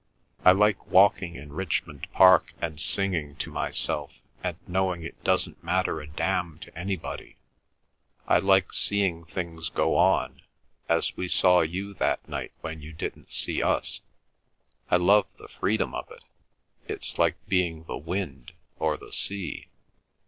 "I like walking in Richmond Park and singing to myself and knowing it doesn't matter a damn to anybody. I like seeing things go on—as we saw you that night when you didn't see us—I love the freedom of it—it's like being the wind or the sea."